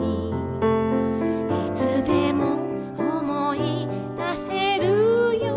「いつでも思い出せるよ」